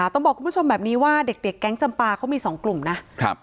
ต้องบอกคุณผู้ชมแบบนี้ว่าเด็กแก๊งจำปาเขามี๒กลุ่มนะครับ